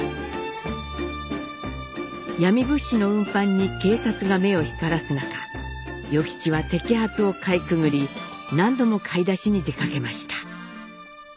闇物資の運搬に警察が目を光らす中与吉は摘発をかいくぐり何度も買い出しに出かけました。